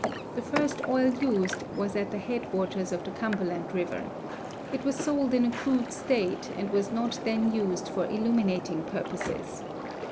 The first oil used was at the head waters of the Cumberland River. It was sold in a crude state and was not then used for illuminating purposes.